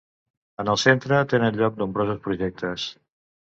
En el centre tenen lloc nombrosos projectes.